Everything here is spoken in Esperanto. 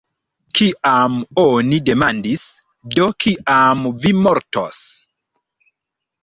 Kiam oni demandis, "Do, kiam vi mortos?